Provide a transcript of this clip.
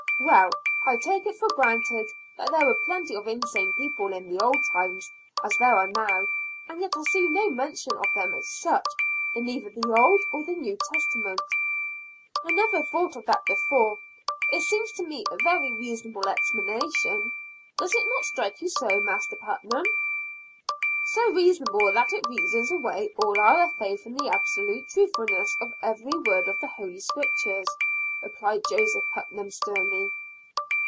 "Well, I take it for granted that there were plenty of insane people in the old times as there are now; and yet I see no mention of them as such, in either the Old or the New Testament." "I never thought of that before; it seems to me a very reasonable explanation, does it not strike you so, Master Putnam?" "So reasonable, that it reasons away all our faith in the absolute truthfulness of every word of the holy scriptures," replied Joseph Putnam sternly.